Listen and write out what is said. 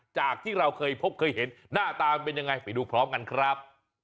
จากที่เราเคยพบเคยเห็นหน้าตามันเป็นยังไงไปดูพร้อมกันครับ